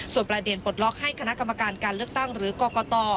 ส่วนประเด็นปลดล็อกให้คณะกรรมการการเลือกตั้งหรือกรกต